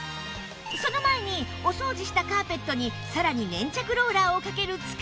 その前にお掃除したカーペットにさらに粘着ローラーをかける塚田さん